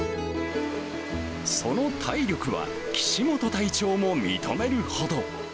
その体力は、岸本隊長も認めるほど。